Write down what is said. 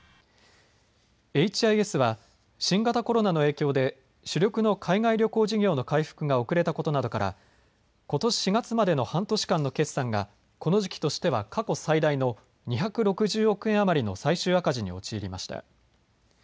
エイチ・アイ・エスは新型コロナの影響で主力の海外旅行事業の回復が遅れたことなどから、ことし４月までの半年間の決算がこの時期としては過去最大の２６０億円余りの最終赤字に陥りました。